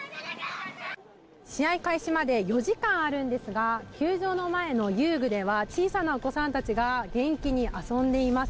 試合開始まで４時間あるんですが球場の前の遊具では小さなお子さんたちが元気に遊んでいます。